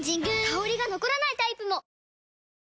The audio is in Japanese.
香りが残らないタイプも！